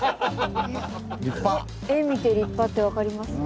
絵見て立派って分かります？